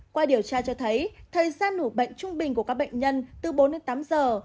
qua điều tra cho thấy thời gian ủ bệnh trung bình của các bệnh nhân từ bốn đến tám giờ